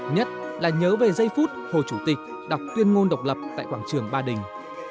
nhất là nhớ về giây phút hồ chủ tịch đọc tuyên ngôn độc lập tại quảng trường ba đình